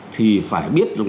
thì phải biết